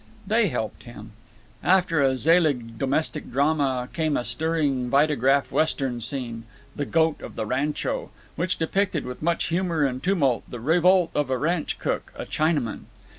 They helped him. After a Selig domestic drama came a stirring Vitagraph Western scene, "The Goat of the Rancho," which depicted with much humor and tumult the revolt of a ranch cook, a Chinaman.